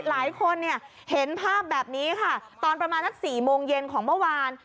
หลายคนเนี่ยเห็นภาพแบบนี้ค่ะตอนประมาณสัก๔โมงเย็นของเมื่อวาน